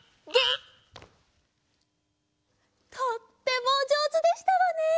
とってもおじょうずでしたわね。